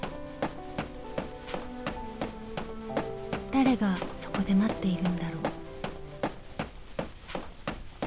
［誰がそこで待っているんだろう］